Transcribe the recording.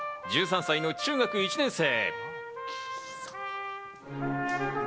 １３歳の中学１年生。